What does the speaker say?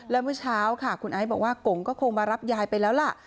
และเมื่อเช้าค่ะคุณไอซ์บอกว่ากงก็คงมารับยายไปแล้วล่ะ